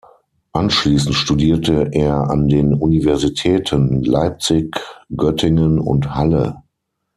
Anschließend studierte er an den Universitäten Leipzig, Göttingen und Halle.